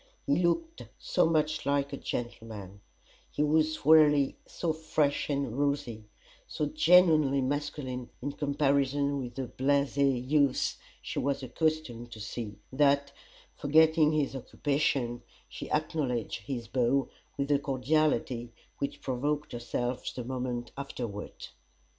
He looked so much like a gentleman; he was really so fresh and rosy, so genuinely masculine in comparison with the blasé youths she was accustomed to see, that, forgetting his occupation, she acknowledged his bow with a cordiality which provoked herself the moment afterward.